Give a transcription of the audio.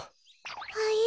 はい？